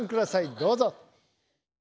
どうぞ！